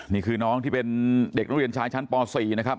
นี่คือน้องที่เป็นเด็กนักเรียนชายชั้นป๔นะครับ